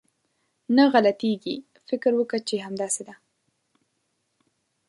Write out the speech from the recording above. نه غلطېږي، فکر وکه چې همداسې ده.